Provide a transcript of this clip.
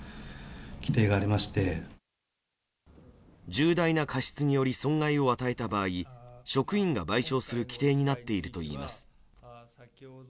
重大な過失により損害を与えた場合職員が賠償する規定になっているといいます。